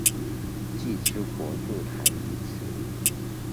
既之国筑台于此。